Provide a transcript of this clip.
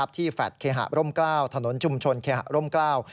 ที่แฟทเคฮะร่มเกล้าถนนจุมชนเคฮะร่มเกล้า